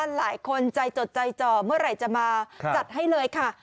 หลายคนใจจดใจจ่อเมื่อไหร่จะมาจัดให้เลยค่ะ